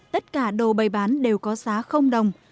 tất cả đồ bày bán đều có giá không đồng